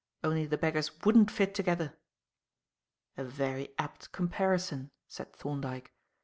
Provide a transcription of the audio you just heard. Only the beggars wouldn't fit together." "A very apt comparison," said Thorndyke.